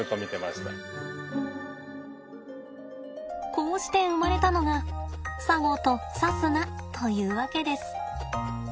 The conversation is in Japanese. こうして生まれたのがさごとさすなというわけです。